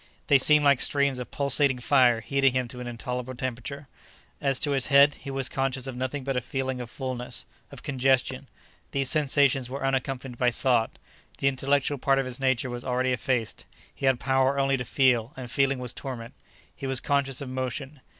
They seemed like streams of pulsating fire heating him to an intolerable temperature. As to his head, he was conscious of nothing but a feeling of fullness—of congestion. These sensations were unaccompanied by thought. The intellectual part of his nature was already effaced; he had power only to feel, and feeling was torment. He was conscious of motion.